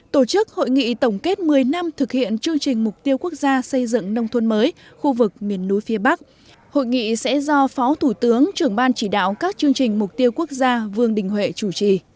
tổ chức hội nghị tổng kết một mươi năm thực hiện chương trình mục tiêu quốc gia xây dựng nông thôn mới khu vực miền núi phía bắc hội nghị sẽ do phó thủ tướng trưởng ban chỉ đạo các chương trình mục tiêu quốc gia vương đình huệ chủ trì